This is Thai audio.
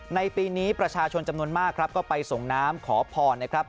ในปีนี้ประชาชนจำนวนมากครับก็ไปส่งน้ำขอพรนะครับ